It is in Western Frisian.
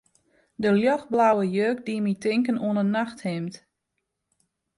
De ljochtblauwe jurk die my tinken oan in nachthimd.